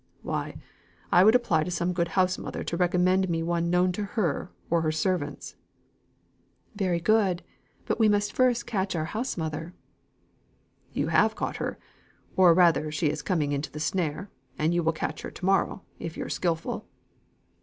"Why, I should apply to some good house mother to recommend me one known to herself or her servants." "Very good. But we must first catch our house mother." "You have caught her. Or rather she is coming into the snare, and you will catch her to morrow, if you're skilful."